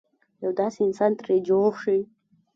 یو داسې انسان ترې جوړ شي.